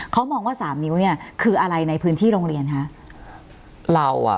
เขามองว่าสามนิ้วเนี่ยคืออะไรในพื้นที่โรงเรียนคะเราอ่ะ